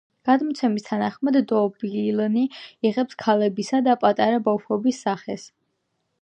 გადმოცემების თანახმად, დობილნი იღებენ ქალებისა და პატარა ბავშვების სახეს.